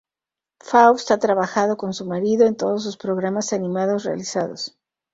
Faust ha trabajado con su marido en todos sus programas animados realizados.